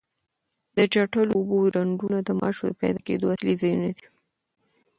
د چټلو اوبو ډنډونه د ماشو د پیدا کېدو اصلي ځایونه دي.